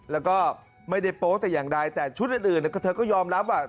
แล้วก็ไม่ได้โป๊แต่อย่างใดแต่ชุดอื่นเธอก็ยอมรับว่า